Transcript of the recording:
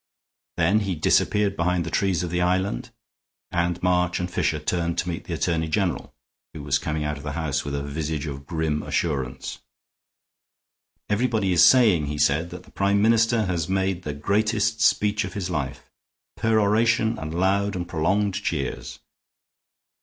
Then he disappeared behind the trees of the island, and March and Fisher turned to meet the Attorney General, who was coming out of the house with a visage of grim assurance. "Everybody is saying," he said, "that the Prime Minister has made the greatest speech of his life. Peroration and loud and prolonged cheers.